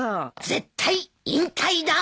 絶対引退だ！